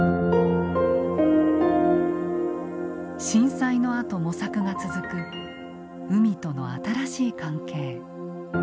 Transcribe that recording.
震災のあと模索が続く海との新しい関係。